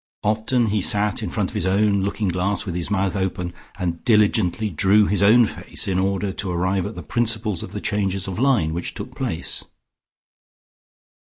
Often he sat in front of his own looking glass with his mouth open, and diligently drew his own face, in order to arrive at the principles of the changes of line which took place.